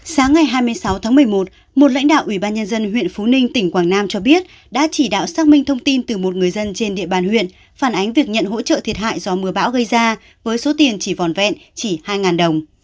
sáng ngày hai mươi sáu tháng một mươi một một lãnh đạo ủy ban nhân dân huyện phú ninh tỉnh quảng nam cho biết đã chỉ đạo xác minh thông tin từ một người dân trên địa bàn huyện phản ánh việc nhận hỗ trợ thiệt hại do mưa bão gây ra với số tiền chỉ vòn vẹn chỉ hai đồng